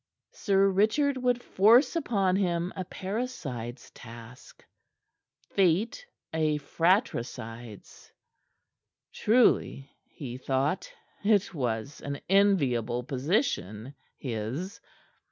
Sir Richard would force upon him a parricide's task; Fate a fratricide's. Truly, he thought, it was an enviable position, his.